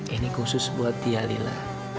ini khusus buat dia lila